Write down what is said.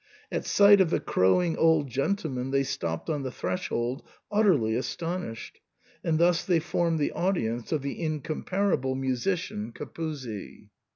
At sight of the crowing old gentleman they stopped on the threshold utterly aston ished ; and thus they formed the audience of the in comparable musician Capuzzi.